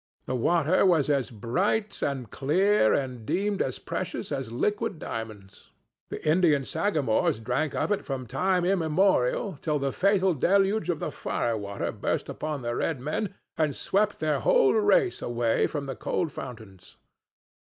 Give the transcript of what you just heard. The water was as bright and clear and deemed as precious as liquid diamonds. The Indian sagamores drank of it from time immemorial till the fatal deluge of the firewater burst upon the red men and swept their whole race away from the cold fountains.